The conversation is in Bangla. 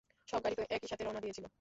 সব গাড়ি তো, এক সাথেই রওনা দিয়েছিলো।